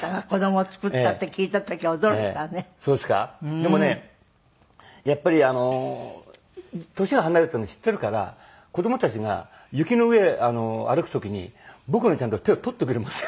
でもねやっぱり年が離れてるの知ってるから子どもたちが雪の上歩く時に僕のちゃんと手を取ってくれますよ。